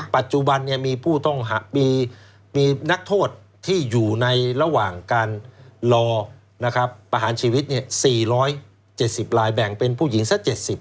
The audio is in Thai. ปัจจุบันมีผู้ตรงหามีนักโทษที่อยู่ในระหว่างการรอนะครับประหารชีวิต๔๗๐รายแบ่งเป็นผู้หญิงซะ๗๐